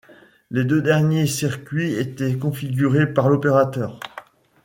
Les deux derniers circuits étaient configurés par l'opérateur.